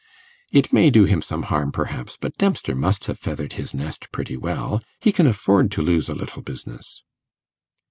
It may do him some harm, perhaps, but Dempster must have feathered his nest pretty well; he can afford to lose a little business.